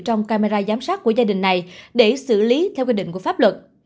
trong camera giám sát của gia đình này để xử lý theo quy định của pháp luật